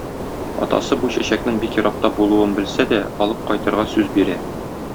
Атасы бу чәчәкнең бик еракта булуын белсә дә, алып кайтырга сүз бирә.